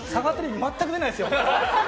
全く出ないですよ。